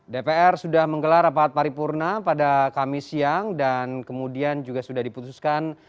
dpr sudah menggelar rapat paripurna pada kamis siang dan kemudian juga sudah diputuskan